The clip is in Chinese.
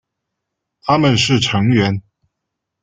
他们是成员。